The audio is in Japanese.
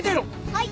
はい。